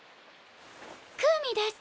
クウミです。